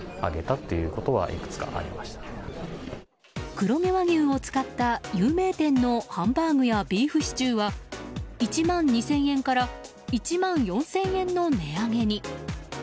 黒毛和牛を使った有名店のハンバーグやビーフシチューは１万２０００円から１万４０００円の値上げに。